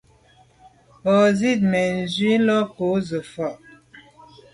Mba zit manwù lo ghù se fà’.